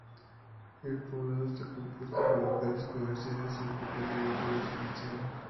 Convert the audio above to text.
El poblado está compuesto por locales comerciales y un pequeño barrio residencial.